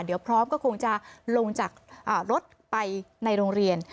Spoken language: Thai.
เดี๋ยวพร้อมก็คงจะลงจากรถไปในโรงเรียน